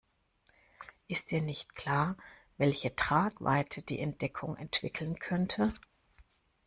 Ist dir nicht klar, welche Tragweite die Entdeckung entwickeln könnte?